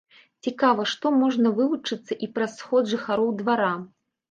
Цікава, што можна вылучыцца і праз сход жыхароў двара.